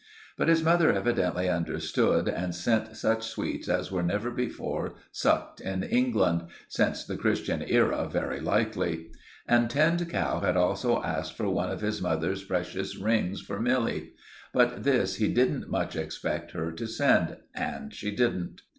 But his mother evidently understood, and sent such sweets as were never before sucked in England—since the Christian era very likely. And Tinned Cow had also asked for one of his mother's precious rings for Milly; but this he didn't much expect her to send; and she didn't.